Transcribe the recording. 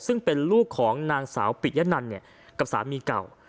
ซึ่งเป็นลูกของนางสาวปิยะนันเนี่ยกับสามีเก่า